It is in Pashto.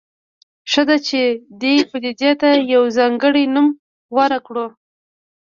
ښه ده چې دې پدیدې ته یو ځانګړی نوم غوره کړو.